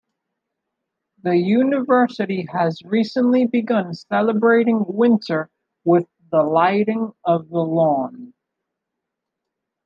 The University has recently begun celebrating winter with the "Lighting of the Lawn".